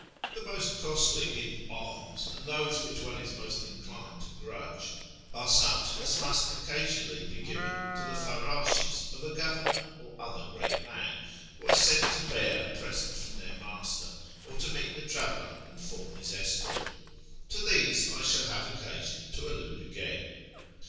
The most costly 171 dms, and those which one is most inclined to grudge, are such as must occasionally be given to the farrdsJies of a governor or other great man, who are sent to bear a present from their master, or to meet the traveller and form his escort. To these I shall have occasion to allude again.